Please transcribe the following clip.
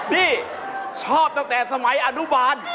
นี่ชอบตั้งแต่สมัยอนุบาล